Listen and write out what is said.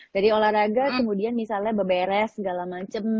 dari olahraga kemudian misalnya beberes segala macam